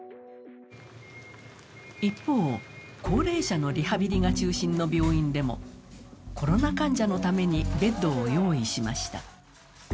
一方、高齢者のリハビリが中心の病院でもコロナ患者のためにベッドを用意しました。